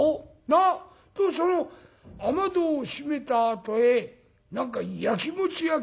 なあ？とその雨戸を閉めたあとへ何かやきもちやきの亭主野郎がな